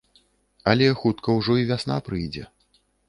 Але хутка ўжо і вясна прыйдзе.